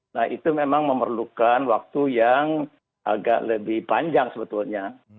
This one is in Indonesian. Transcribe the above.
nah itu memang memerlukan waktu yang agak lebih panjang sebetulnya